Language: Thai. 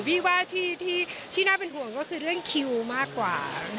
พี่ว่าที่น่าเป็นห่วงก็คือเรื่องคิวมากกว่า